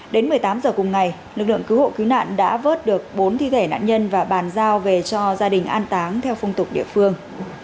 đến một mươi tám h cùng ngày lực lượng cứu hộ cứu nạn đã vớt được bốn thi thể nạn nhân và bàn giao về cho gia đình an táng theo phong tục địa phương